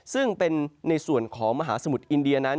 ซึ่งเป็นในส่วนของมหาสมุทรอินเดียนั้น